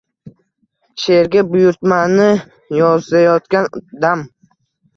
Sherga buyurtmani yozayotgan dam